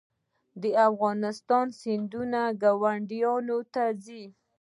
د افغانستان سیندونه ګاونډیو ته ځي